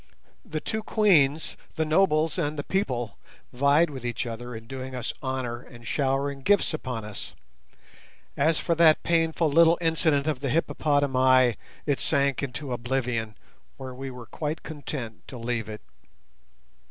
The two Queens, the nobles and the people vied with each other in doing us honour and showering gifts upon us. As for that painful little incident of the hippopotami it sank into oblivion, where we were quite content to leave it.